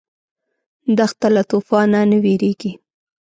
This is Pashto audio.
دښته له توفانه نه وېرېږي.